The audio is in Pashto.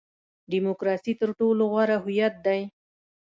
ډیموکراسي تر ټولو غوره هویت دی.